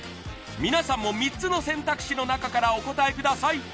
皆さんも３つの選択肢の中からお答えください